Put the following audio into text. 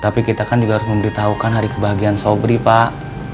tapi kita kan juga harus memberitahukan hari kebahagiaan sobri pak